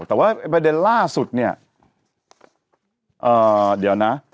แต่ว่าประเด็นล่าสุดเนี่ยเดี๋ยวนะ